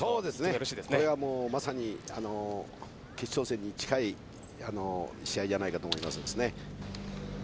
「これはまさに決勝戦に近い試合じゃないかと思いますね」。